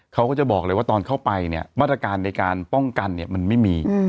เขาก็จะบอกเลยว่าตอนเข้าไปเนี่ยมาตรการในการป้องกันเนี่ยมันไม่มี